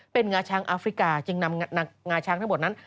เป็นงาช้างอาฟริกาจึงนำงาช้างทั้งหมดนั้น